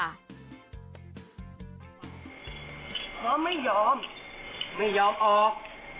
เพราะไม่ยอมไม่ยอมออก